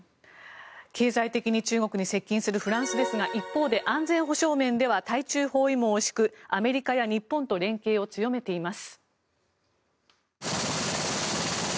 経済的に中国に接近するフランスですが一方で安全保障面では対中包囲網を敷くアメリカや日本と連携を強めています。